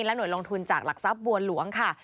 หน่วยลงทุนจากหลักทรัพย์บัวหลวงค่ะ